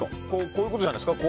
こういうことじゃないですか？